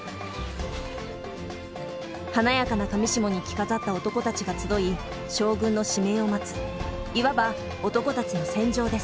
華やかな裃に着飾った男たちが集い将軍の指名を待ついわば男たちの戦場です。